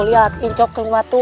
lihat incok yang matuk tuh